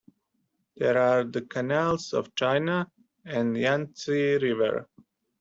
There are the canals of China, and the Yang-tse River.